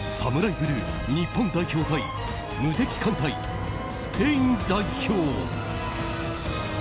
ブルー日本代表対無敵艦隊スペイン代表。